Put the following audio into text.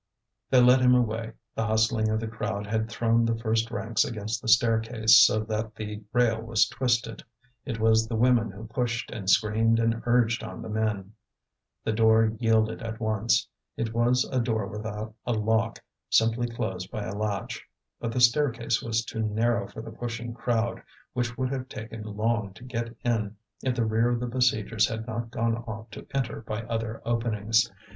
They led him away; the hustling of the crowd had thrown the first ranks against the staircase so that the rail was twisted. It was the women who pushed and screamed and urged on the men. The door yielded at once; it was a door without a lock, simply closed by a latch. But the staircase was too narrow for the pushing crowd, which would have taken long to get in if the rear of the besiegers had not gone off to enter by other openings.